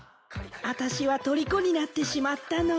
あたしはとりこになってしまったの。